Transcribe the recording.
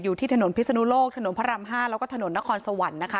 อยู่ที่ถนนพิศนุโลกถนนพระราม๕แล้วก็ถนนนครสวรรค์นะคะ